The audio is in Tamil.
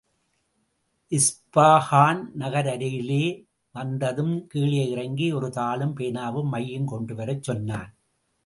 இஸ்பாகான் நகர் அருகிலே வந்ததும் கீழே இறங்கி, ஒருதாளும் பேனாவும் மையும் கொண்டுவரச் சொன்னான்.